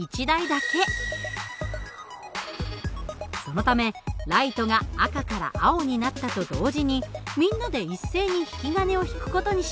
そのためライトが赤から青になったと同時にみんなで一斉に引き金を引く事にしました。